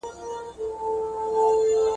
خاموشي پاتې ده.